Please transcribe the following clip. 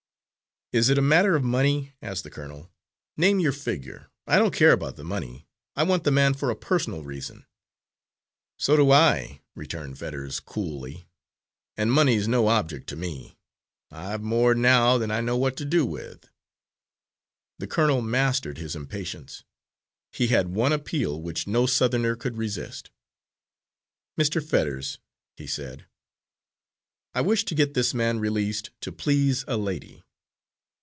"Is it a matter of money?" asked the colonel. "Name your figure. I don't care about the money. I want the man for a personal reason." "So do I," returned Fetters, coolly, "and money's no object to me. I've more now than I know what to do with." The colonel mastered his impatience. He had one appeal which no Southerner could resist. "Mr. Fetters," he said, "I wish to get this man released to please a lady."